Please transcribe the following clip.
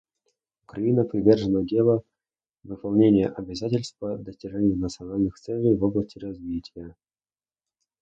Украина привержена делу выполнения обязательств по достижению национальных целей в области развития.